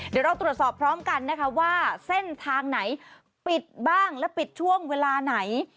เดี๋ยวเราตรวจสอบพร้อมกันนะคะว่าเส้นทางไหนปิดบ้างและปิดช่วงเวลาไหน